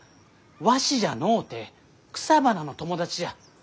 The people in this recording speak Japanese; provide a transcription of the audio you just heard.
わしじゃのうて草花の友達じゃ。